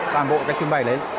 toàn bộ cái trưng bày đấy